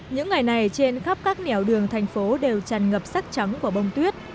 những ngày này trên khắp các nẻo đường thành phố đều tràn ngập sắc trắng của bông tuyết